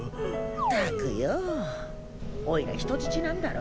たくよぉおいら人質なんだろ？